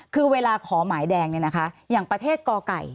คือเวลาขอหมายแดงอย่างประเทศกไก่